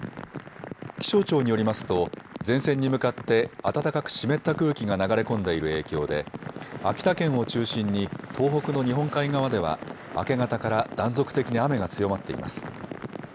気象庁によりますと前線に向かって暖かく湿った空気が流れ込んでいる影響で秋田県を中心に東北の日本海側では明け方から断続的に雨が強まっています。